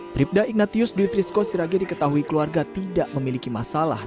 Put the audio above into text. bribda ignatius dwi frisco sirage diketahui keluarga tidak memiliki masalah